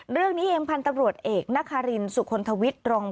เรื่องนี้เองพันธุ์ตำรวจเอกนครินสุคลทวิทย์รอง